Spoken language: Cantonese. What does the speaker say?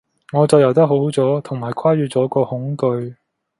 我就游得好咗，同埋跨越咗個恐懼